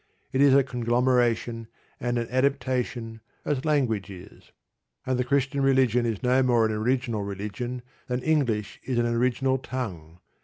It is a conglomeration and an adaptation, as language is. And the Christian religion is no more an original religion than English is an original tongue.